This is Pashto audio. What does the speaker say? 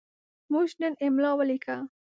موږ نن املا ولیکه.